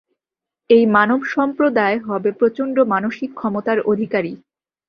এই মানব সম্প্রদায় হবে প্রচণ্ড মানসিক ক্ষমতার অধিকারী।